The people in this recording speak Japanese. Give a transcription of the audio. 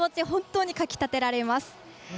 本当にかきたてられます。